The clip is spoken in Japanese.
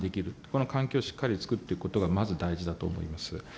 この環境をしっかりつくっていくことがまず大事だと思います。